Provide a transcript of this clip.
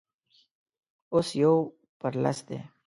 اوس يو پر لس دی.